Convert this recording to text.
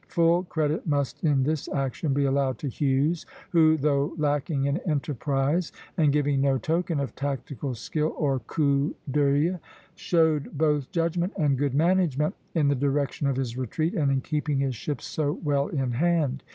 Full credit must in this action be allowed to Hughes, who, though lacking in enterprise and giving no token of tactical skill or coup d'oeil, showed both judgment and good management in the direction of his retreat and in keeping his ships so well in hand.